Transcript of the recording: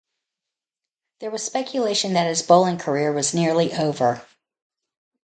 There was speculation that his bowling career was nearly over.